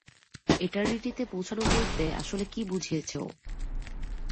এটারনিটিতে পৌছানো বলতে আসলে কি বুঝিয়েছে ও?